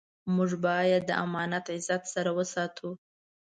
موږ باید دا امانت د عزت سره وساتو.